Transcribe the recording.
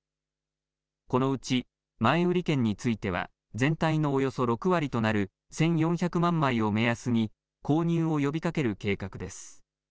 このうち、前売券については全体のおよそ６割となる１４００万枚を目安に購入を呼びかける計画です。